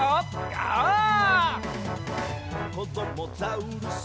「こどもザウルス